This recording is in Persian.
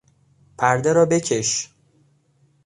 پرده را بکش!